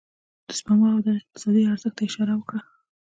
د سپما او د هغه اقتصادي ارزښت ته يې اشاره وکړه.